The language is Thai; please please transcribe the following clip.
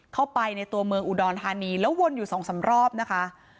เข้าไปในตัวเมืองอุดรธานีแล้ววนอยู่สองสามรอบนะคะ